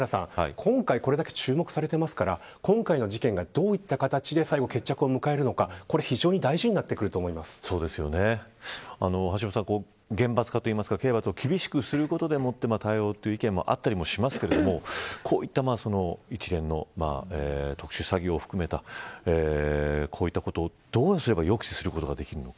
今回これだけ注目されていますから今回の事件がどういった形で最後、決着を迎えるのかこれ、非常に橋下さん、厳罰化というか刑罰を厳しくすることで対応という意見もあったりしますけどもこういった一連の特殊詐欺を含めたこういったことをどうすれば抑止することができるのか。